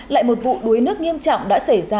lại một vụ đuối nước nghiêm trọng đã xảy ra